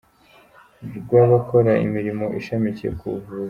rw’abakora imirimo ishamikiye ku buvuzi.